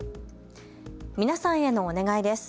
皆さんへのお願いです。